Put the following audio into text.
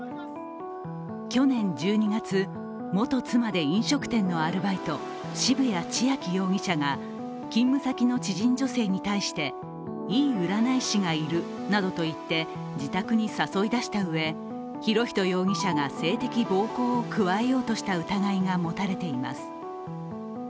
去年１２月元妻で飲食店のアルバイト渋谷千秋容疑者が勤務先の知人女性に対していい占い師がいるなどと言って自宅に誘いだしたうえ、博仁容疑者が性的暴行を加えようとした疑いが持たれています。